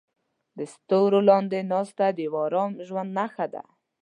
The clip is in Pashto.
د ستورو لاندې ناسته د یو ارام ژوند نښه ده.